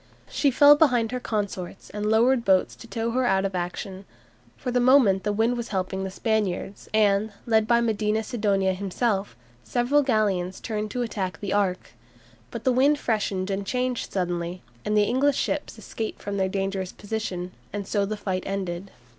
She fell behind her consorts, and lowered boats to tow her out of action. For the moment the wind was helping the Spaniards, and, led by Medina Sidonia himself, several galleons turned to attack the "Ark." But the wind freshened and changed suddenly, and the English ships escaped from their dangerous position, and so the fight ended.